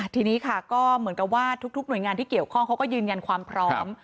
ทีนี้ค่ะก็เหมือนกับว่าทุกหน่วยงานที่เกี่ยวข้องเขาก็ยืนยันความพร้อม